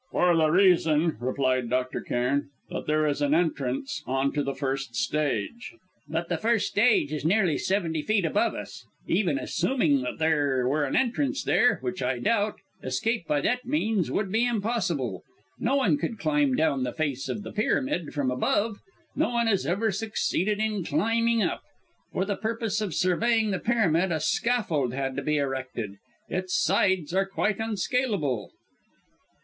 "For the reason," replied Dr. Cairn, "that there is an entrance on to the first stage " "But the first stage is nearly seventy feet above us. Even assuming that there were an entrance there which I doubt escape by that means would be impossible. No one could climb down the face of the pyramid from above; no one has ever succeeded in climbing up. For the purpose of surveying the pyramid a scaffold had to be erected. Its sides are quite unscaleable."